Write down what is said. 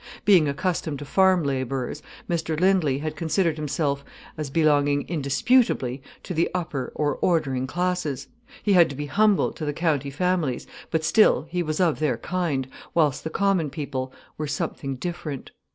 Being accustomed to farm labourers, Mr Lindley had considered himself as belonging indisputably to the upper or ordering classes. He had to be humble to the county families, but still, he was of their kind, whilst the common people were something different.